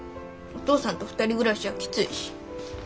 お父さんと２人暮らしはきついし。